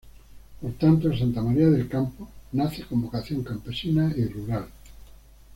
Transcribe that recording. Por tanto, el Santa María del Campo nace con vocación campesina y rural.